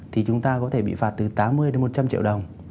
thì chúng ta có thể bị phạt từ tám mươi đến một trăm linh triệu đồng